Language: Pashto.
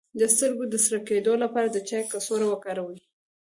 د سترګو د سره کیدو لپاره د چای کڅوړه وکاروئ